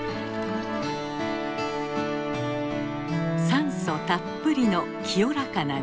酸素たっぷりの清らかな水。